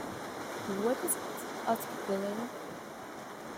What is it? asked the Lion.